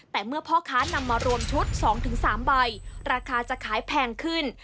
แต่เมื่อพ่อค้านำมารวมชุด๒๓ใบราคาจะขายแพงขึ้น